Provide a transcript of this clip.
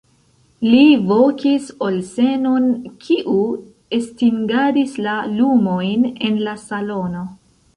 Li vokis Olsen'on, kiu estingadis la lumojn en la salono.